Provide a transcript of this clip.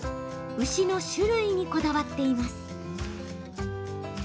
牛の種類にこだわっています。